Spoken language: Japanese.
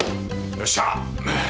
よっしゃあ！